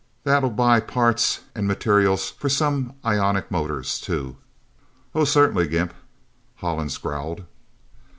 That'll buy parts and materials for some ionic motors, too." "Oh, certainly, Gimp," Hollins growled.